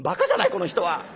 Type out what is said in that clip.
この人は」。